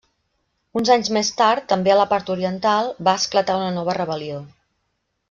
Uns anys més tard, també a la part oriental, va esclatar una nova rebel·lió.